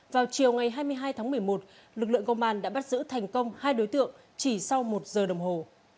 vào chiều ngày hai mươi hai tháng một mươi một lực lượng công an đã bắt giữ thành công hai đối tượng chỉ sau một giờ đồng hồ